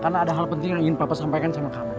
karena ada hal penting yang ingin papa sampaikan sama kamu